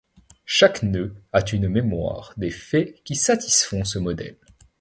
Chaque nœud a une mémoire des faits qui satisfont ce modèle.